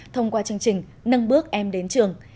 thông qua chương trình nâng bước em đến trường